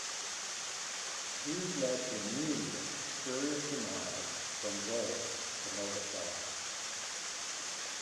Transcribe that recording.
These led to immediate furious denials from Grohl and Novoselic.